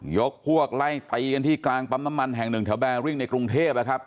ยกพวกไล่ตีกันที่กลางปั๊มน้ำมันแห่งหนึ่งแถวแบริ่งในกรุงเทพนะครับ